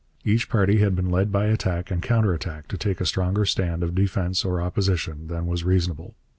Each party had been led by attack and counterattack to take a stronger stand of defence or opposition than was reasonable.